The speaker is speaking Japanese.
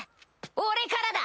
俺からだ！